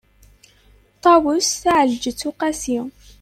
ṭawes taεelǧeţ uqasi